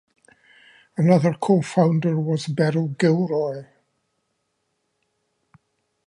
Another cofounder was Beryl Gilroy.